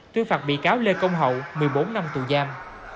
tuyên phạt bị cáo lê công hậu một mươi bốn năm tù giam